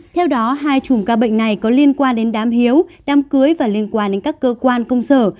theo đó hai chùm ca bệnh này có liên quan đến đám hiếu đám cưới và liên quan đến các cơ quan công sở